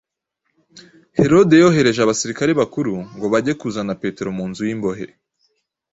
Herode yohereje abasirikare bakuru ngo bajye kuzana Petero mu nzu y’imbohe.